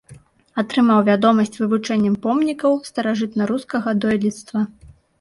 Атрымаў вядомасць вывучэннем помнікаў старажытнарускага дойлідства.